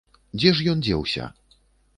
Дзе ж ён дзеўся?